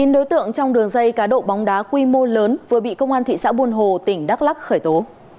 chín đối tượng trong đường dây cá độ bóng đá quy mô lớn vừa bị công an thị xã buôn hồ tỉnh đắk lắc khởi tố